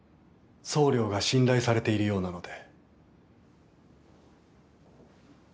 総領が信頼されているようなので。